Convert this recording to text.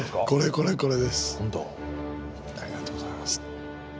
これこれこれです。